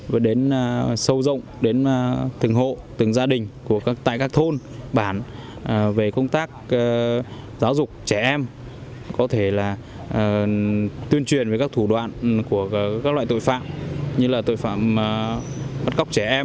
vừa đến sâu rộng đến từng hộ từng gia đình tại các thôn bản về công tác giáo dục trẻ em có thể là tuyên truyền về các thủ đoạn của các loại tội phạm như là tội phạm bắt cóc trẻ em